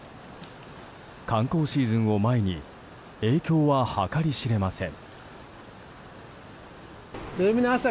観光シーズンを前に影響は計り知れません。